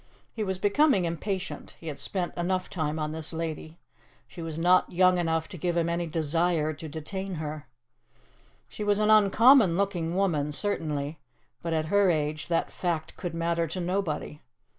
He was becoming impatient; he had spent enough time on this lady. She was not young enough to give him any desire to detain her. She was an uncommon looking woman, certainly, but at her age that fact could matter to nobody.